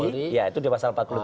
ya itu di pasal empat puluh tujuh